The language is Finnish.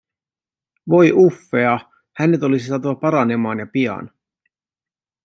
Voi Uffea, hänet olisi saatava paranemaan ja pian.